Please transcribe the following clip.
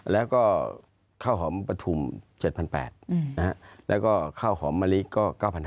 แล้วก็ข้าวหอมปฐุม๗๘๐๐แล้วก็ข้าวหอมมะลิก็๙๕๐